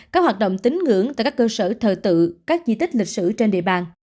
các hoạt động tính ngưỡng tại các cơ sở thờ tự các di tích lịch sử trên địa bàn